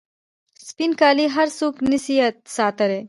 سپین کالي هر څوک نسي ساتلای.